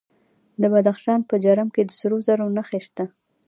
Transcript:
د بدخشان په جرم کې د سرو زرو نښې شته.